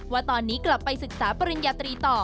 ว่าตอนนี้กลับไปศึกษาปริญญาตรีต่อ